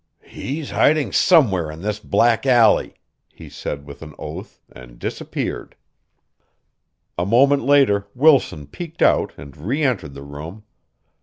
"He's hiding somewhere in this black alley," he said with an oath, and disappeared. A moment later Wilson peeked out and re entered the room.